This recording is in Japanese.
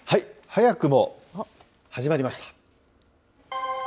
早くも始まりました。